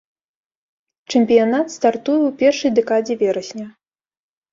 Чэмпіянат стартуе ў першай дэкадзе верасня.